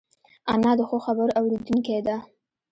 انا د ښو خبرو اورېدونکې ده